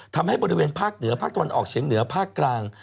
ทำให้บริเวณภาคเหนือภาคตะวันออกเฉียงเหนือภาคกลาง